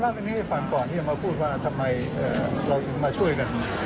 เรื่องนี้ให้ฟังก่อนที่จะมาพูดว่าทำไมเราถึงมาช่วยกัน